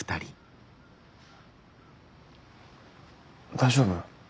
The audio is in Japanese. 大丈夫？